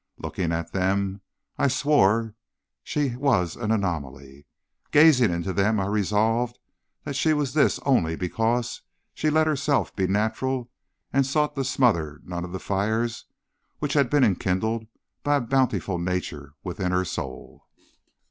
Looking at them, I swore she was an anomaly. Gazing into them, I resolved that she was this only because she let herself be natural and sought to smother none of the fires which had been enkindled by a bountiful nature within her soul.